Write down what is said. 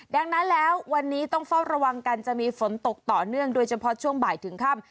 ดังนั้นแล้ววันนี้ต้องเฝ้าระวังกันจะมีฝนตกต่อเนื่องโดยเฉพาะช่วงบ่ายถึงค่ำ